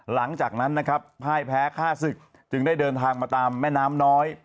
หลังจากนั้นนะครับพ่ายแพ้ฆ่าศึกจึงได้เดินทางมาตามแม่น้ำน้อย